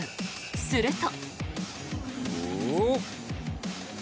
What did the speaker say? すると。